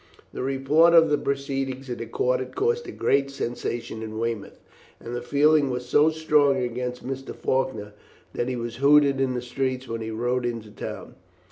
The report of the proceedings in the court had caused a great sensation in Weymouth, and the feeling was so strong against Mr. Faulkner that he was hooted in the streets when he rode into the town.